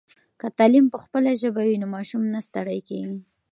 که تعلیم په خپله ژبه وي نو ماشوم نه ستړی کېږي.